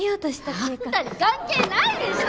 あんたに関係ないでしょ！